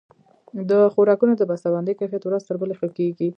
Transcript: د خوراکونو د بسته بندۍ کیفیت ورځ تر بلې ښه کیږي.